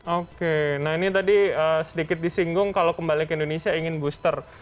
oke nah ini tadi sedikit disinggung kalau kembali ke indonesia ingin booster